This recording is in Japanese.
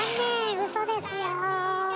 うそですよ。